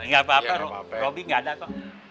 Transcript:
gak apa apa robi gak ada kok